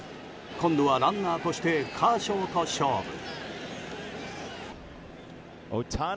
今度はランナーとしてカーショーと勝負。